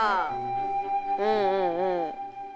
うんうんうん。